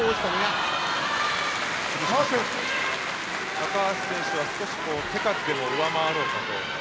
高橋選手は手数で上回ろうかと。